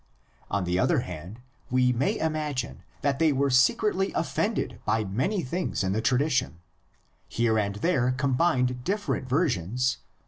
On the other hand, we may imagine that they were secretly offended by many things in the tradition, here and there combined different versions (^Commentary, p.